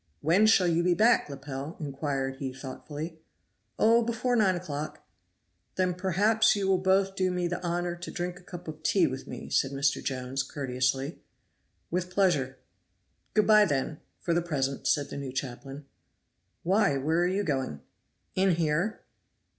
"When shall you be back, Lepel?" inquired he thoughtfully. "Oh, before nine o'clock." "Then perhaps you will both do me the honor to drink a cup of tea with me," said Mr. Jones, courteously. "With pleasure." "Good by, then, for the present," said the new chaplain. "Why, where are you going?" "In here."